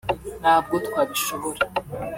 ntabwo twabishobora